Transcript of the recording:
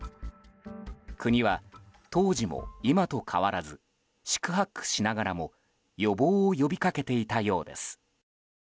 国は当時も今と変わらず四苦八苦しながらも予防を呼び掛けていたようです。